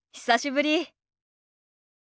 久しぶり。